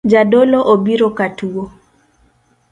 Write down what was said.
Jadolo obiro katuo